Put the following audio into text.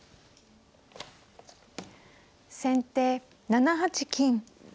先手７八金。